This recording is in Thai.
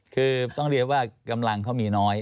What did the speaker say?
คือต้องเรียกว่ากำลังเขามีน้อย